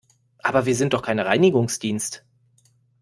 Aber wir sind doch kein Reinigungsdienst!